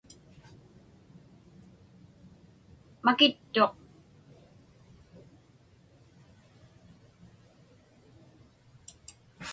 Makittuq.